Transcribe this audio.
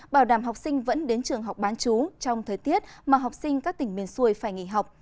bảo đảm học sinh vẫn đến trường học bán chú trong thời tiết mà học sinh các tỉnh miền xuôi phải nghỉ học